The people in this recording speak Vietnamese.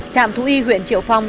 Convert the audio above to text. chạm thú y huyện triệu phong